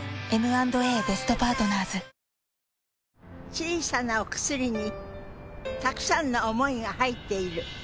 小さなお薬にたくさんの想いが入っている。